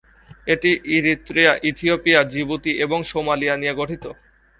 এটি Eritrea, Ethiopia, Djibouti এবং Somalia নিয়ে গঠিত।